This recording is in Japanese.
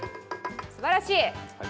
すばらしい！